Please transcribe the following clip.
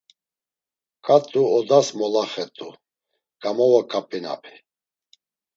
Ǩat̆u odas molaxet̆u, gamavoǩap̌inapi